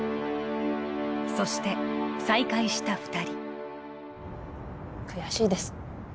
そして再会した２人悔しいです